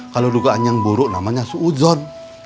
kalau dugaan yang buruk namanya suuzon